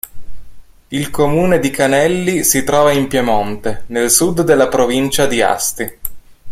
Il comune di Canelli si trova in Piemonte, nel sud della provincia di Asti.